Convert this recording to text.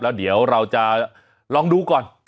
แล้วเดี๋ยวเราจะลองดูก่อน